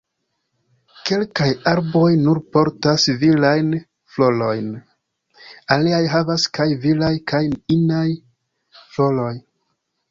Kelkaj arboj nur portas virajn florojn.. Aliaj havas kaj viraj kaj inaj floroj.